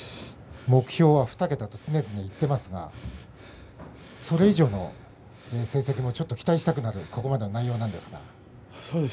目標は２桁と常々言っていますが、それ以上の成績もちょっと期待したくなるここまでの内容なんですが。